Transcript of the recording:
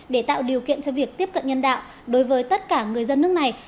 để tạo điều kiện cho việc tiếp cận nhân đạo đối với tất cả người dân nước này